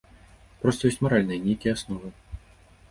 Проста ёсць маральныя нейкія асновы.